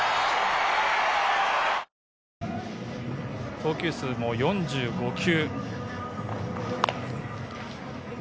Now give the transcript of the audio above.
投球数も４５球。